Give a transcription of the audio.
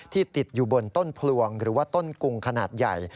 ติดอยู่บนต้นพลวงหรือว่าต้นกุงขนาดใหญ่